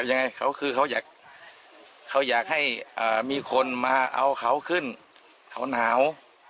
แต่ยังไงเขาคือเขาอยากให้มีคนมาเอาเขาขึ้นเขาหนาว